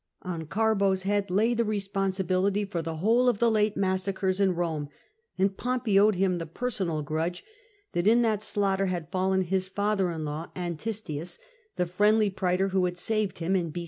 On Garbo's head lay the responsibility for the whole of the late massacres in Eome, and Pompey owed him the personal grudge that in that slaughter had fallen his father in law, Antistius, the friendly praetor who had saved him in b.